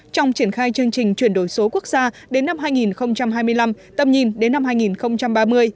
trong triển khai chương trình chuyển đổi số quốc gia đến năm hai nghìn hai mươi năm tầm nhìn đến năm hai nghìn ba mươi